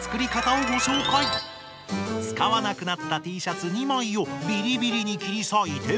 使わなくなったＴシャツ２枚をびりびりに切り裂いて。